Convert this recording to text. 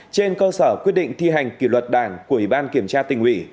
trên cơ sở quyết định thi hành kỷ luật đảng của ủy ban kiểm tra tỉnh ủy